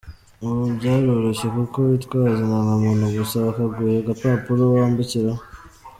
Ubu byaroroshye kuko witwaza indangamuntu gusa, bakaguha agapapuro wambukiraho.